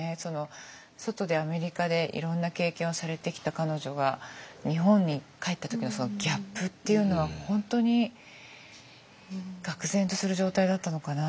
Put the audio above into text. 外でアメリカでいろんな経験をされてきた彼女が日本に帰った時のそのギャップっていうのは本当にがく然とする状態だったのかなと。